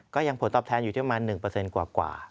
ก็ยังผลตอบแทนอยู่ที่ประมาณ๑เปอร์เซ็นต์กว่ากว่า